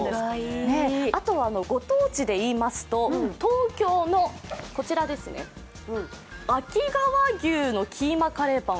あとはご当地で言いますと、東京の秋川牛のキーマカレーパン。